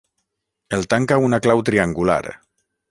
El tanca una clau triangular.